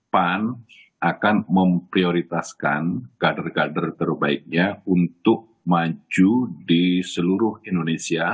pan akan memprioritaskan kader kader terbaiknya untuk maju di seluruh indonesia